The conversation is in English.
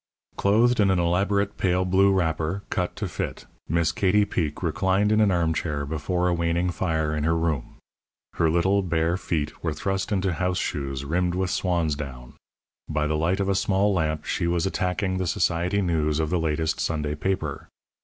Clothed in an elaborate, pale blue wrapper, cut to fit, Miss Katie Peek reclined in an armchair before a waning fire in her room. Her little, bare feet were thrust into house shoes rimmed with swan's down. By the light of a small lamp she was attacking the society news of the latest Sunday paper.